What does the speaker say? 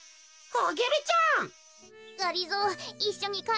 アゲルちゃん。